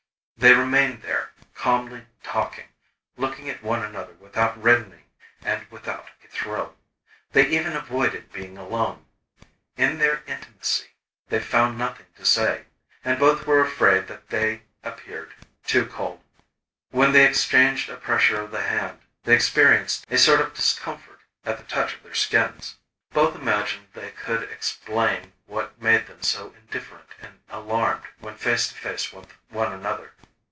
They remained there, calmly talking, looking at one another without reddening and without a thrill. They even avoided being alone. In their intimacy, they found nothing to say, and both were afraid that they appeared too cold. When they exchanged a pressure of the hand, they experienced a sort of discomfort at the touch of their skins. Both imagined they could explain what made them so indifferent and alarmed when face to face with one another.